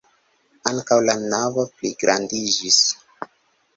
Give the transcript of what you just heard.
Ankaŭ la navo pligrandiĝis.